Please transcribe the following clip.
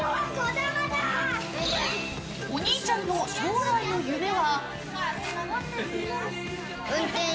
お兄ちゃんの将来の夢は？